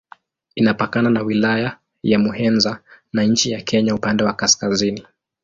Inapakana na Wilaya ya Muheza na nchi ya Kenya upande wa kaskazini.